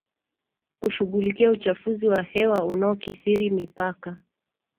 kushughulikia uchafuzi wa hewa unaokithiri mipaka